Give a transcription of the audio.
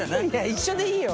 一緒でいいよ。